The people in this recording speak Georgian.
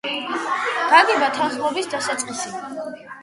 გაგება — თანხმობის დასაწყისი.